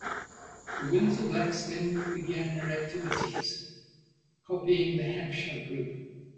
The Windsor Blacks then began their activities, copying the Hampshire group.